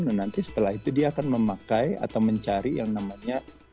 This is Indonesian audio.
nah nanti setelah itu dia akan memakai atau mencari yang namanya